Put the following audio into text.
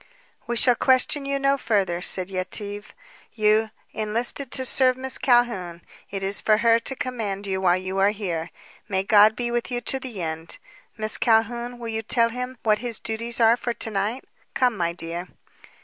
"We shall question you no further," said Yetive. "You enlisted to serve Miss Calhoun. It is for her to command you while you are here. May God be with you to the end. Miss Calhoun, will you tell him what his duties are for to night? Come, my dear."